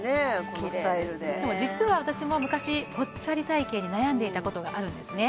このスタイルで綺麗ですねでも実は私も昔ぽっちゃり体形に悩んでいたことがあるんですね